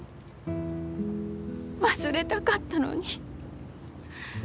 忘れたかったのに。